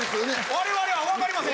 我々は分かりません。